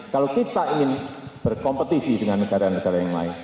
kalau kita ingin berkompetisi dengan negara negara yang lain